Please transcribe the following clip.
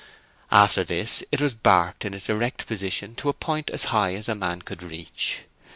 After this it was barked in its erect position to a point as high as a man could reach.